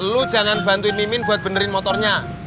lu jangan bantuin mimin buat benerin motornya